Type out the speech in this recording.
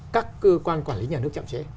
các cơ quan quản lý nhà nước chạm chế